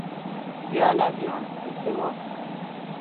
بیا علویان پسې واخیستل